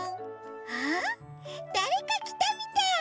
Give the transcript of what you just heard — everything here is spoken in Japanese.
あっだれかきたみたい！